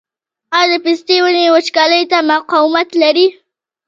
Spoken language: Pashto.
آیا د پستې ونې وچکالۍ ته مقاومت لري؟